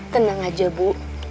tenang aja bu